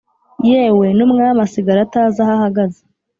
yewe n'umwami asigara atazi aho ahagaze.